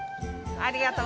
ありがとう！